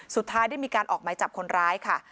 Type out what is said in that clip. สุดท้ายได้มีการออกหมายจับคนร้ายค่ะ